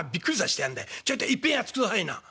ちょいといっぺんやっつくださいな」。